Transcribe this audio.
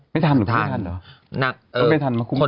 ไม่ทันหรือไม่ทันหรอ